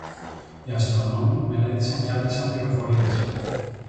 Οι Αστρονόμοι μελέτησαν και άντλησαν πληροφορίες